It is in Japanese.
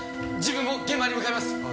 自分も現場に向かいます。